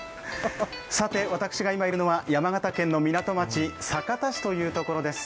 さて、私が今いるのは山形県の港町・酒田市というところです。